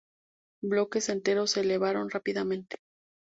Bloques enteros se elevaron rápidamente.